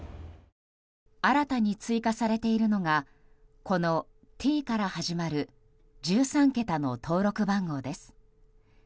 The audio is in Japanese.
新たに追加されているのがこのＴから始まる１３桁の登録番号です。